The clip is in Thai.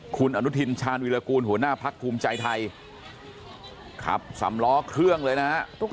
คุณอนุทินชาญวิรากูลหัวหน้าพักภูมิใจไทยขับสำล้อเครื่องเลยนะฮะ